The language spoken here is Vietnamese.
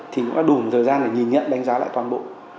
thì nó có đủ thời gian để nhìn nhận đánh giá lại toàn bộ